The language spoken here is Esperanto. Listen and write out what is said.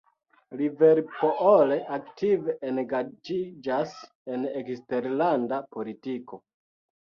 Liverpool aktive engaĝiĝas en eksterlanda politiko.